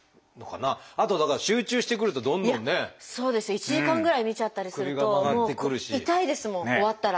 １時間ぐらい見ちゃったりするともう痛いですもん終わったら。